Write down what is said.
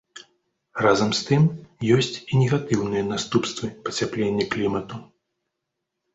Разам з тым, ёсць і негатыўныя наступствы пацяплення клімату.